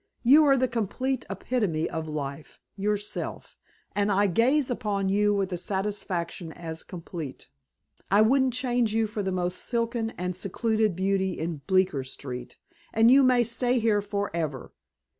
You are the complete epitome of life, yourself, and I gaze upon you with a satisfaction as complete. I wouldn't change you for the most silken and secluded beauty in Bleecker Street, and you may stay here for ever.